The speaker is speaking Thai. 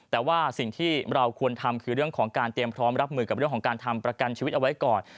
แต่ว่าสิ่งที่เราควรทำคือเรื่องของการเตรียมพร้อมรับมือกับเรื่องของการทำประกันชีวิตเอาไว้ก่อน